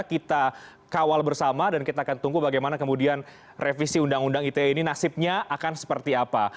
kita kawal bersama dan kita akan tunggu bagaimana kemudian revisi undang undang ite ini nasibnya akan seperti apa